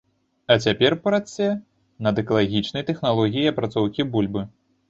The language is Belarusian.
А цяпер праце над экалагічнай тэхналогіяй апрацоўкі бульбы.